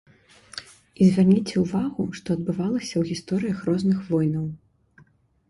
І звярніце ўвагу, што адбывалася ў гісторыях розных войнаў.